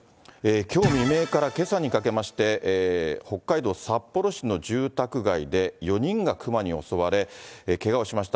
きょう未明からけさにかけまして、北海道札幌市の住宅街で４人が熊に襲われ、けがをしました。